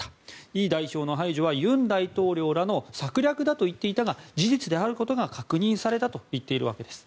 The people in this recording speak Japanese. イ代表の排除は、尹大統領らの策略だと言っていたが事実であることが確認されたと言っているわけです。